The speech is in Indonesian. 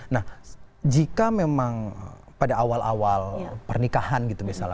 nah jika memang pada awal awal pernikahan gitu misalnya